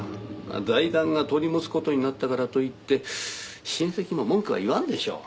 財団が取り持つことになったからといって親戚も文句は言わんでしょ。